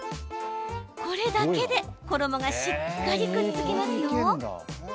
これだけで衣がしっかりくっつきますよ。